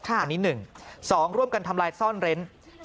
อันนี้๑๒ร่วมกันทำลายซ่อนเร้น